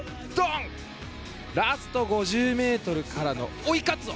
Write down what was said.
ラスト５０ｍからの追いカツオ！